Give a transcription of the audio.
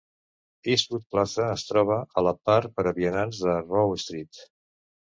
Eastwood Plaza es troba a la part per a vianants de Rowe Street.